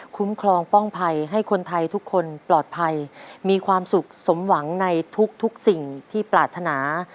คุ้มครองป้องภัยให้คนไทยทุกคนปลอดภัยมีความสุขสมหวังในทุกสิ่งที่ปรารถนา